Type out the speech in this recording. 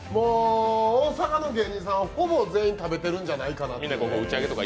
大阪の芸人さんはほぼ全員食べてるんじゃないかなと。